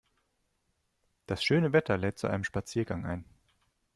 Das schöne Wetter lädt zu einem Spaziergang ein.